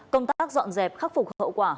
công tác dọn dẹp khắc phục hậu quả